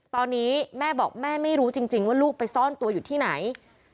ตอนนี้แม่บอกแม่ไม่รู้จริงว่าลูกไปซ่อนตัวอยู่ที่ไหน